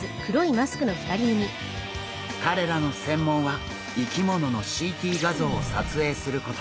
かれらのせんもんは生き物のＣＴ画像を撮影すること。